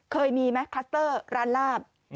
เคยมีมั้ยคัสเตอร์ร้านลาบ